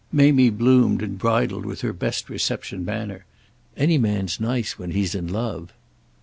Mamie bloomed and bridled with her best reception manner. "Any man's nice when he's in love."